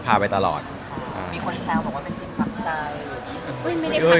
มีคนแซวเป็นกิจบันได